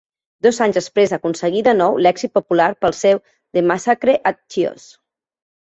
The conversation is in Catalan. Dos anys després aconseguí de nou l'èxit popular pel seu "The Massacre at Chios".